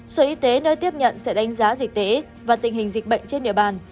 sở y tế nơi tiếp nhận sẽ đánh giá dịch tế và tình hình dịch bệnh trên địa bàn